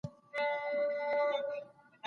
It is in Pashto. دا تمرين ښه دئ.